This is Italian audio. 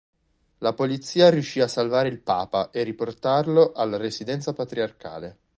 La polizia riuscì a salvare il Papa e riportarlo alla residenza patriarcale.